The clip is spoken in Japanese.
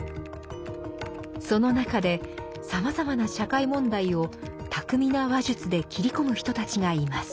その中でさまざまな社会問題を巧みな話術で切り込む人たちがいます。